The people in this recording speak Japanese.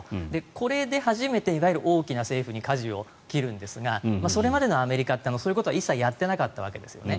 これで初めて、いわゆる大きな政府にかじを切るんですがそれまでのアメリカってそういうことは一切やってなかったわけですよね。